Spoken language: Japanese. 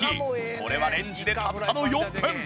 これはレンジでたったの４分。